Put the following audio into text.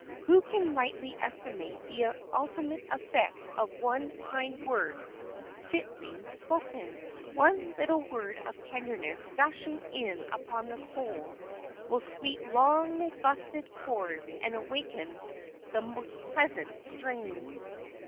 Who can rightly estimate the ultimate effect of one kind word fitly spoken? One little word of tenderness gushing in upon the soul will sweep long neglected chords and awaken the most pleasant strains.